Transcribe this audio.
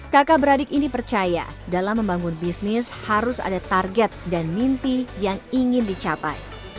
kakak beradik ini percaya dalam membangun bisnis harus ada target dan mimpi yang ingin dicapai